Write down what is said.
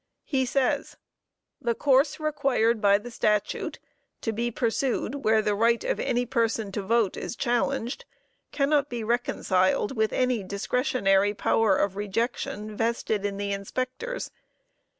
He says: "The course required by the statute, to be pursued where the right of any person to vote is challenged, cannot be reconciled with any discretionary power of rejection vested in the inspectors.